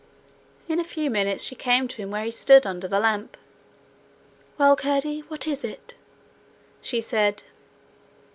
In a few minutes she came to him where he stood under the lamp. 'Well, Curdie, what is it?' she said.